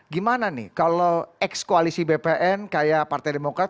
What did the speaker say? gimana nih kalau ex koalisi bpn kayak partai demokrat